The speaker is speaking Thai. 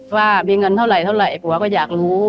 ว่ามีเงินเท่าไหร่ปัวก็อยากรู้